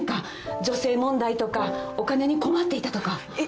女性問題とかお金に困っていたとか。